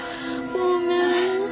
ごめん。